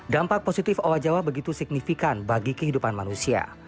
dampak positif owa jawa begitu signifikan bagi kehidupan manusia